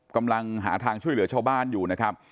กำลังหาทางช่วยเหลือชาวบ้านอยู่นะครับ